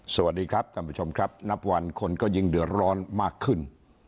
สวัสดีครับท่านผู้ชมครับนับวันคนก็ยิ่งเดือดร้อนมากขึ้น